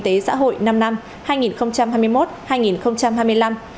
thắng lợi kế hoạch phát triển kinh tế xã hội năm năm hai nghìn hai mươi một hai nghìn hai mươi năm